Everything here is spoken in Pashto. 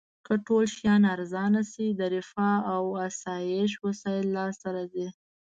که ټول شیان ارزانه شي د رفاه او اسایش وسایل لاس ته راځي.